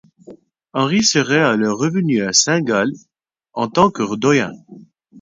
Henri serait alors revenu à Saint-Gall en tant que doyen.